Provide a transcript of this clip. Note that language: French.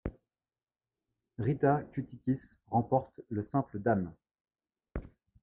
Rita Kuti-Kis remporte le simple dames.